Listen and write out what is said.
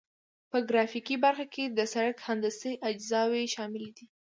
په ګرافیکي برخه کې د سرک هندسي اجزاوې شاملې دي